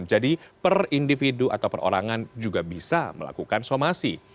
jadi per individu atau perorangan juga bisa melakukan somasi